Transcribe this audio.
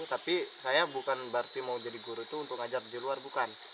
tapi saya bukan berarti mau jadi guru itu untuk ngajar di luar bukan